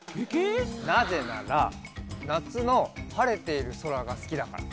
なぜならなつのはれているそらがすきだから。